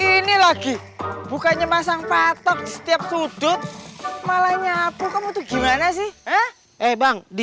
ini lagi bukannya masang patok setiap sudut malah nyapu kamu untuk gimana sih eh bang di